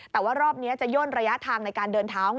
แต่ว่ารอบนี้จะย่นระยะทางในการเดินเท้า